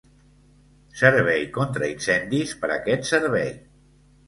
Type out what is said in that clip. Servei contra incendis per aquest servei.